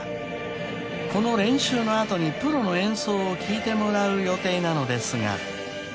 ［この練習の後にプロの演奏を聴いてもらう予定なのですが］